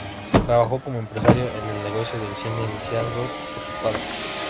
Trabajó como empresario en el negocio del cine iniciado por su padre.